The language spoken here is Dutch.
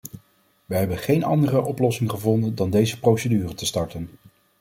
Wij hebben geen andere oplossing gevonden dan deze procedure te starten.